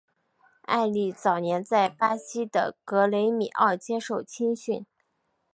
埃利早年在巴西的格雷米奥接受青训。